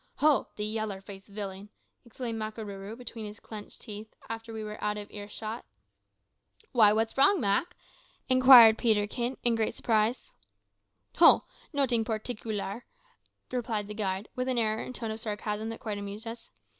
"Ho! de yaller faced villain," exclaimed Makarooroo between his clinched teeth, after we were out of earshot. "Why, what's wrong, Mak?" inquired Peterkin, in great surprise. "Ho! noting porteekler," replied the guide, with an air and tone of sarcasm that quite amused us.